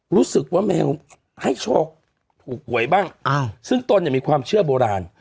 รู้สึกว่าแมวให้โชคถูกหวยบ้างซึ่งตนเนี่ยมีความเชื่อโบราณ